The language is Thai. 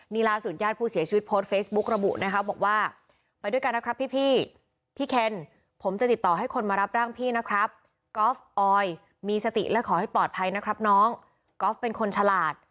นี่ล่าสุดญาติผู้เสียชีวิตโพสต์เฟซบุ๊กระบุนะคะบอกว่าไปด้วยกันนะครับพี่พี่เคนผมจะติดต่อให้คนมารับร่างพี่นะครับกอล์ฟออยมีสติและขอให้ปลอดภัยนะครับน้องก๊อฟเป็นคนฉลาด